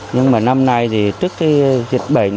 nhưng mà năm nay thì trước cái dịch bệnh